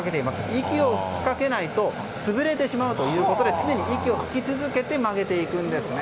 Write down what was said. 息を吹きかけないと潰れてしまうということで常に息を吹き続けて曲げていくんですね。